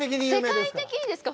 世界的にですか？